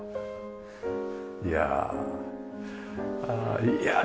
いやあいやいや。